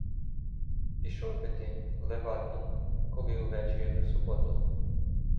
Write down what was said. — Пішов би ти, Левадний, коли увечері до Суботова.